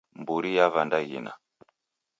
Mburi yava ndaghina